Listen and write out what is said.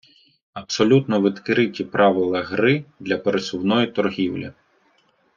Абсолютно відкриті правила гри для пересувної торгівлі.